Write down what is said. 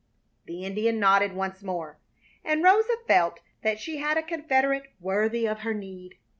The Indian nodded once more, and Rosa felt that she had a confederate worthy of her need.